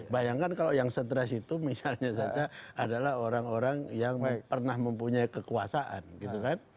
bayangkan kalau yang stres itu misalnya saja adalah orang orang yang pernah mempunyai kekuasaan gitu kan